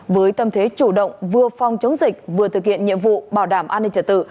với tâm thế chủ động vừa phòng chống dịch vừa thực hiện nhiệm vụ bảo đảm an ninh trật tự